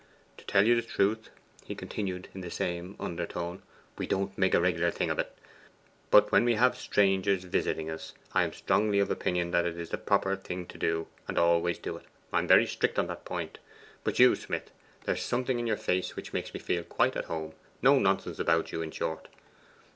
'To tell you the truth,' he continued in the same undertone, 'we don't make a regular thing of it; but when we have strangers visiting us, I am strongly of opinion that it is the proper thing to do, and I always do it. I am very strict on that point. But you, Smith, there is something in your face which makes me feel quite at home; no nonsense about you, in short.